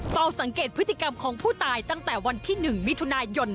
เฝ้าสังเกตพฤติกรรมของผู้ตายตั้งแต่วันที่๑มิถุนายน